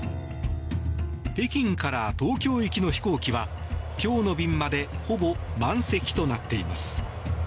北京から東京行きの飛行機は今日の便までほぼ満席となっています。